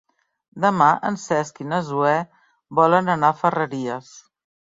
Demà en Cesc i na Zoè volen anar a Ferreries.